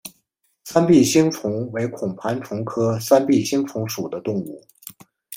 三臂星虫为孔盘虫科三臂星虫属的动物。